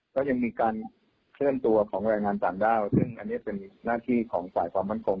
ก็ยังมีการเคลื่อนตัวของแรงงานต่างด้าวซึ่งอันนี้เป็นหน้าที่ของฝ่ายความมั่นคง